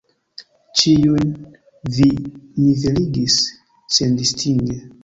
Ĉiujn vi niveligis sendistinge.